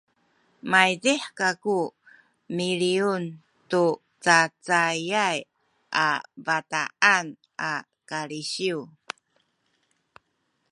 maydih kaku miliyun tu cacayay a bataan a kalisiw